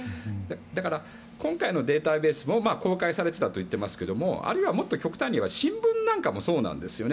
だから、今回のデータベース公開されていたと言っていますがあるいはもっと極端にいえば新聞なんかもそうなんですよね。